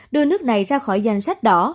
đưa nước này ra khỏi danh sách đỏ